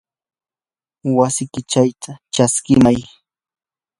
wasikichaw chaskimay.